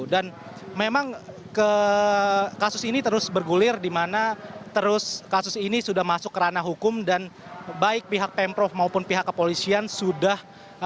dan memang kasus ini terus bergulir dimana kasus ini sudah masuk kerana hukum dan baik pihak pemprov maupun pihak kepolisian sudah